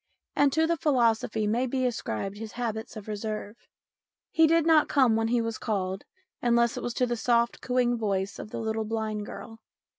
And to the philosophy may be ascribed his habits of reserve. He did not come when he was called, unless it was to the soft, cooing voice of the little blind girl.